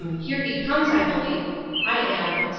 Here he comes, I believe.—I am, etc.